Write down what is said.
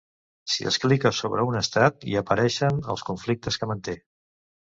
Si es clica sobre un estat, hi apareixen els conflictes que manté.